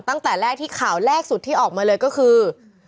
ตั้งแต่แรกที่ข่าวแรกสุดที่ออกมาเลยก็คือ